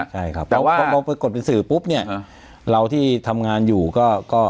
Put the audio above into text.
ใช่ครับแต่ว่าพบสื่อปุ๊บเนี้ยแล้วที่ทำงานอยู่ก็